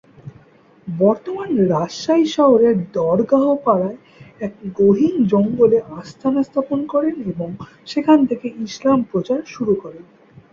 বর্তমান রাজশাহী শহরের দরগাহপাড়ায় এক গহীন জঙ্গলে আস্তানা স্থাপন করেন এবং সেখান থেকে ইসলাম প্রচার শুরু করেন।